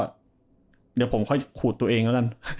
เดี๋ยวผมค่อยขูดตัวเองแล้วกัน